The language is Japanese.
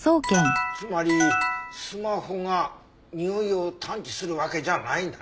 つまりスマホがにおいを探知するわけじゃないんだね。